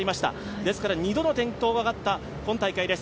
ですから２度の転倒があった今大会です。